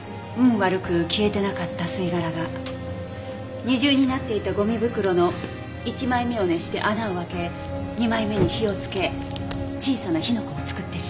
悪く消えてなかった吸い殻が二重になっていたゴミ袋の１枚目を熱して穴を開け２枚目に火をつけ小さな火の粉を作ってしまった。